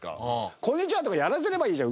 「こんにちは」とかやらせればいいじゃん